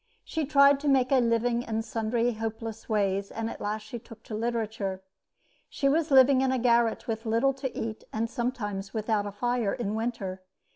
She tried to make a living in sundry hopeless ways, and at last she took to literature. She was living in a garret, with little to eat, and sometimes without a fire in winter.